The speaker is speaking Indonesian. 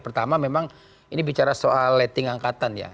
pertama memang ini bicara soal letting angkatan ya